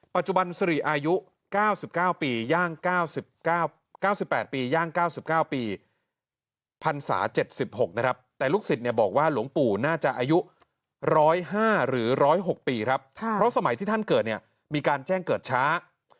สิริอายุ๙๙ปีย่าง๙๘ปีย่าง๙๙ปีพันศา๗๖นะครับแต่ลูกศิษย์บอกว่าหลวงปู่น่าจะอายุ๑๐๕หรือ๑๐๖ปีครับเพราะสมัยที่ท่านเกิดเนี่ยมีการแจ้งเกิดช้า